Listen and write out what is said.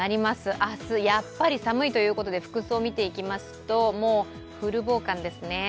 明日、やっぱり寒いということで服装、見ていきますとフル防寒ですね。